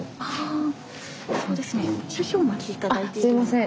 あすいません。